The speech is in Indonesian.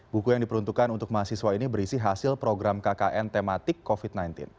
buku yang diperuntukkan untuk mahasiswa ini berisi hasil program kkn tematik covid sembilan belas